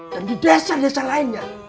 dan di desa desa lainnya